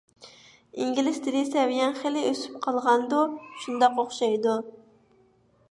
_ ئىنگلىز تىلى سەۋىيەڭ خېلى ئۆسۈپ قالغاندۇ؟ _ شۇنداق ئوخشايدۇ.